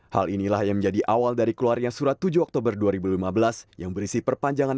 hal inilah yang menjadi awal dari keluarnya surat tujuh oktober dua ribu lima belas yang berisi perpanjangan